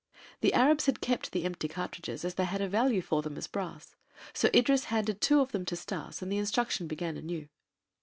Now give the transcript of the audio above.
The Arabs had kept the empty cartridges as they had a value for them as brass; so Idris handed two of them to Stas and the instruction began anew.